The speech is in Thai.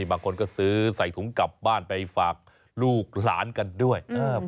บางคนก็ซื้อใส่ถุงกลับบ้านไปฝากลูกหลานกันด้วย